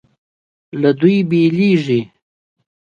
له دوی بېلېږي.